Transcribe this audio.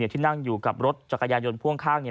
ที่นั่งอยู่กับรถจักรยายนพ่วงข้าง